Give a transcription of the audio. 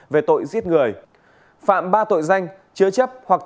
về truy nã tội phạm